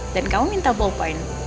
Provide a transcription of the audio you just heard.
dan kamu minta ballpoint